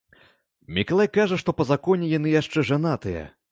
Мікалай кажа, што па законе яны яшчэ жанатыя.